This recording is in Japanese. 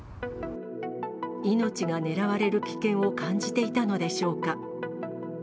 命が狙われる危険を感じていたのでしょうか。